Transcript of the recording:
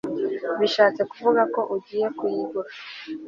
Bishatse kuvuga ko ugiye kuyigura